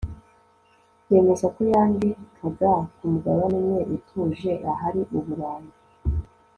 yemeza ko yandikaga kumugabane umwe utuje, ahari uburayi